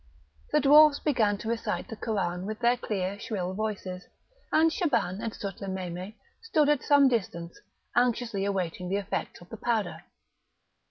The dwarfs began to recite the Koran with their clear shrill voices, and Shaban and Sutlememe stood at some distance, anxiously waiting the effects of the powder.